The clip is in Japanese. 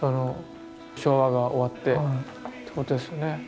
昭和が終わってってことですよね。